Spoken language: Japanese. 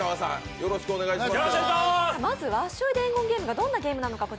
よろしくお願いします。